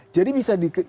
jadi bisa dilihat